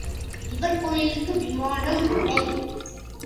இவர் கோயிலுக்கு விமானம் இல்லை.